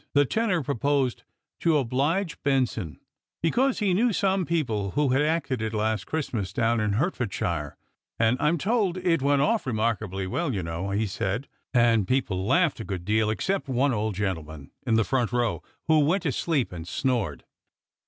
The tenor proposed To ohlif/e Benson, because he knew some people who had acted it last Christmas down in Hertfordshire ;" and I'm told it went off remarkably well, you know," he said ;" and people laughed a good deal, except one old gentleman in the front row, who went to sleep and snored."